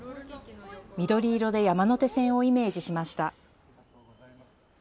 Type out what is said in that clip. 緑色で山手線をイメージしました。